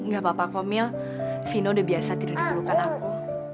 gak apa apa komil vino udah biasa tidak diperlukan aku